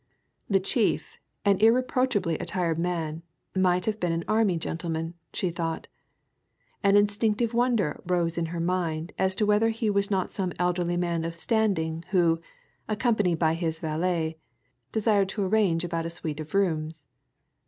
The chief, an irreproachably attired man, might have been an army gentleman, she thought; an instinctive wonder rose in her mind as to whether he was not some elderly man of standing who, accompanied by his valet, desired to arrange about a suite of rooms.